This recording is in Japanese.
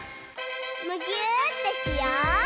むぎゅーってしよう！